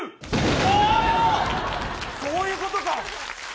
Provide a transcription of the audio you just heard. おお、そういうことか。